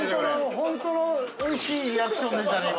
◆本当のおいしいリアクションでしたね、今。